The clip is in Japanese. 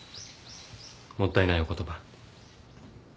もったいないお言葉。